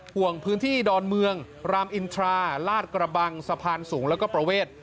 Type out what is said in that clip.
ห่วงพื้นที่ดอนเมืองรามอินทราลาดกระบังสะพานสูงแล้วก็ประเวท